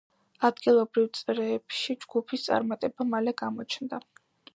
ადგილობრივ წრეებში ჯგუფის წარმატება მალე გამოჩნდა.